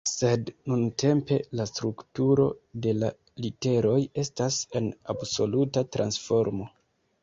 Sed nuntempe, la strukturo de la literoj estas en absoluta transformo.